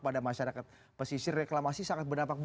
pada masyarakat pesisir reklamasi sangat berdampak